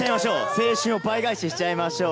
青春を倍返ししちゃいましょう。